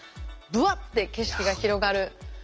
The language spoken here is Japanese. ブワッて景色が広がる。